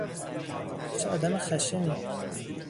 چه آدم خشنی!